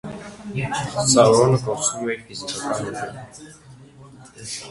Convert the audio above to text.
Սաուրոնը կորցնում է իր ֆիզիկական ուժը։